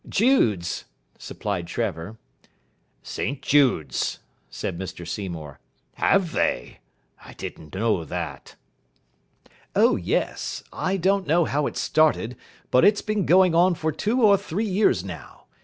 "Jude's," supplied Trevor. "St Jude's!" said Mr Seymour. "Have they? I didn't know that." "Oh yes. I don't know how it started, but it's been going on for two or three years now.